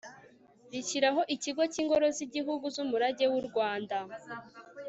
rishyiraho ikigo cy'ingoro z'igihugu z'umurage w'u rwanda